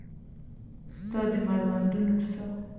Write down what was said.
ستا د مړوندونو ساه